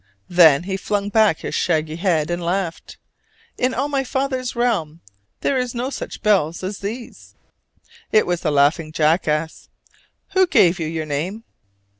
Then he flung back his shaggy head and laughed. "In all my father's realm there are no such bells as these!" It was the laughing jackass. "Who gave you your name?"